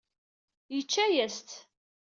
Yečča-as-tt.